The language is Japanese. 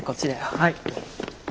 はい。